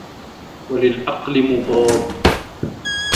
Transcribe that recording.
وَلِلْعَقْلِ مُضَادٌّ